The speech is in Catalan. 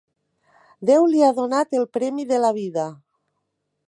Déu li ha donat el premi de la vida.